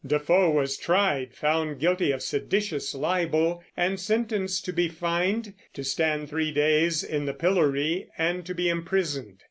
Defoe was tried, found guilty of seditious libel, and sentenced to be fined, to stand three days in the pillory, and to be imprisoned.